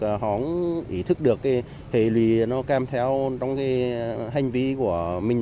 họ không ý thức được hệ lý nó kèm theo trong hành vi của